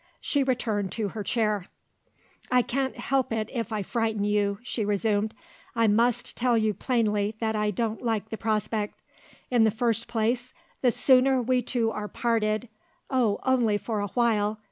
She returned to her chair. "I can't help it if I frighten you," she resumed; "I must tell you plainly that I don't like the prospect. In the first place, the sooner we two are parted oh, only for a while!